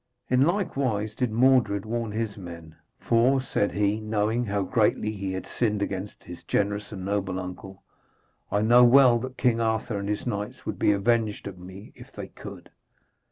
In like wise did Mordred warn his men, 'for,' said he, knowing how greatly he had sinned against his generous and noble uncle, 'I know well that King Arthur and his knights would be avenged on me if they could.'